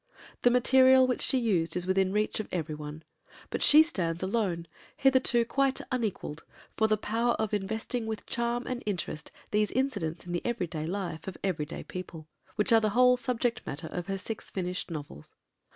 The material which she used is within the reach of every one; but she stands alone, hitherto quite unequalled, for the power of investing with charm and interest these incidents in the everyday life of everyday people which are the whole subject matter of her six finished novels.